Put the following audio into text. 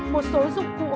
một số dụng cụ hỗn hợp